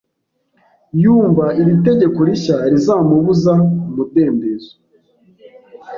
Yumva iri tegeko rishya rizamubuza umudendezo